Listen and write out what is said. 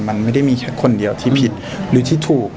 มันไม่ได้มีแค่คนเดียวที่ผิดหรือที่ถูก